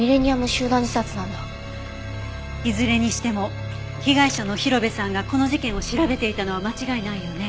いずれにしても被害者の広辺さんがこの事件を調べていたのは間違いないようね。